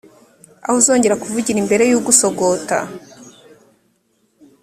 aho uzongera kuvugira imbere y ugusogota